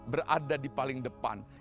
berada di paling depan